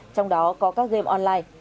trong đó có các game online